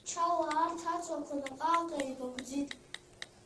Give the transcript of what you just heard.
Аԥша амчала, арҭ аҵлақәа наҟ-ааҟ еибагәӡит.